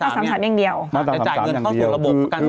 จะจ่ายเงินเข้าสู่ระบบประกันสังคม